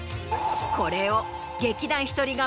これを劇団ひとりが。